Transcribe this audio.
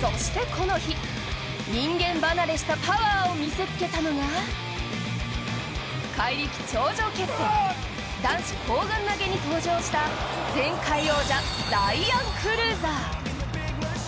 そしてこの日、人間離れしたパワーを見せつけたのが怪力頂上決戦、男子砲丸投に登場した前回王者ライアン・クルーザー。